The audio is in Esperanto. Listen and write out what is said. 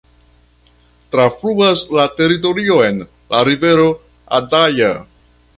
Trafluas la teritorion la rivero Adaja.